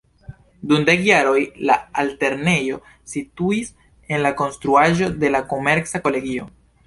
Dum dek jaroj la altlernejo situis en la konstruaĵo de la Komerca Kolegio.